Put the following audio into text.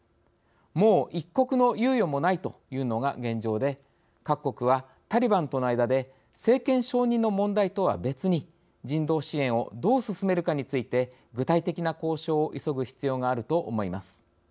もう一刻の猶予もないというのが現状で各国は、タリバンとの間で政権承認の問題とは別に人道支援をどう進めるかについて具体的な交渉を急ぐ必要があると思います。